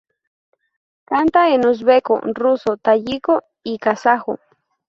Canta en uzbeco, ruso, tayiko y kazajo.